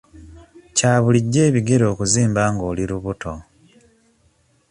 Kya bulijjo ebigere okuzimba ng'oli lubuto?